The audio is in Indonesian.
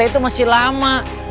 itu masih lama